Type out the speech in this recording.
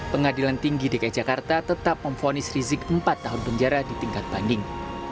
pengadilan tinggi dki jakarta tetap memfonis rizik empat tahun penjara di tingkat banding